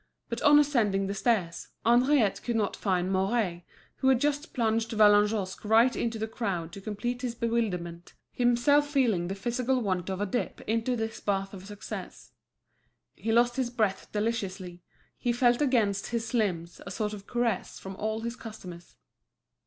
But on ascending the stairs, Henriette could not find Mouret, who had just plunged Vallagnosc right into the crowd to complete his bewilderment, himself feeling the physical want of a dip into this bath of success. He lost his breath deliciously, he felt against his limbs a sort of caress from all his customers.